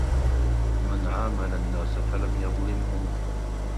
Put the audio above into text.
مَنْ عَامَلَ النَّاسَ فَلَمْ يَظْلِمْهُمْ